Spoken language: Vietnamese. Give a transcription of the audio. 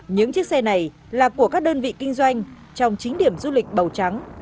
những chiếc xe này là của các đơn vị kinh doanh trong chính điểm du lịch bầu trắng